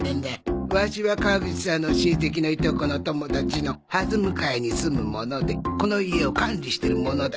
ワシは川口さんの親戚のいとこの友達のはす向かいに住む者でこの家を管理してる者だ。